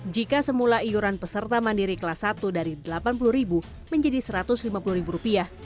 jika semula iuran peserta mandiri kelas satu dari rp delapan puluh menjadi rp satu ratus lima puluh